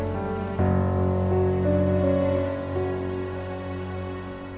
sampai jumpa lagi